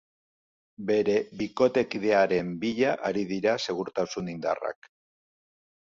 Bere bikotekidearen bila ari dira segurtasun indarrak.